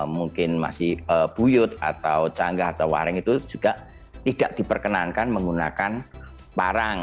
mungkin masih buyut atau canggah atau waring itu juga tidak diperkenankan menggunakan parang